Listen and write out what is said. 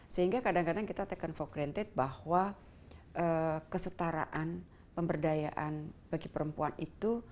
sehingga kadang kadang kita taken for granted bahwa kesetaraan pemberdayaan bagi perempuan itu